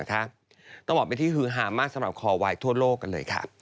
ต้องบอกเป็นที่ฮือฮามากสำหรับคอวายทั่วโลกกันเลยค่ะ